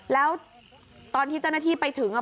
แล้วตอนที่เจ้าหน้าที่ไปถึงอ่ะ